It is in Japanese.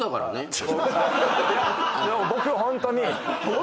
でも僕ホントに。